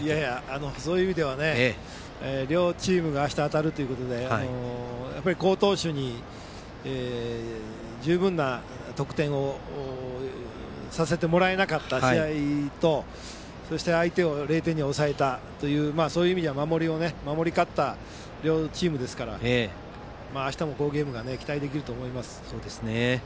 そういう意味では両チームがあした当たるということで好投手に十分な得点をさせてもらえなかった試合とそして相手を０点に抑えたというそういう意味では守り勝った両チームですからあしたも好ゲームが期待できると思います。